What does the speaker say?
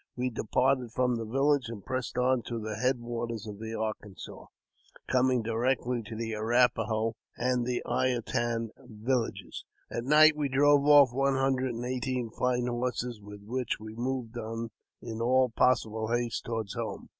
We departed from the village, and pressed on to the head waters of the Arkansas, coming directly to the Arrap a ho and I a tan villages. At night we drove off one hundred and eighteen fine horses, with which we moved on in all possible haste toward home.